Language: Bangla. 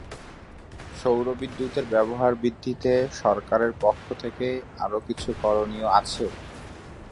সৌরবিদ্যুতের ব্যবহার বৃদ্ধিতে সরকারের পক্ষ থেকে আরও কিছু করণীয় আছে।